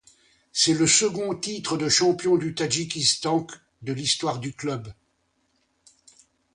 C'est le second titre de champion du Tadjikistan de l'histoire du club.